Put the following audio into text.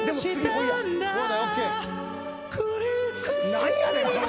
なんやねんこれ。